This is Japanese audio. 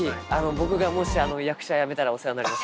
僕がもし、役者やめたらお世話になります。